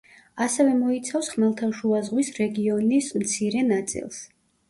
ასევე მოიცავს ხმელთაშუაზღვის რეგიონის მცირე ნაწილს.